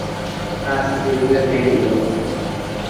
تآر سرٽيڦڪيٽ لين جو۔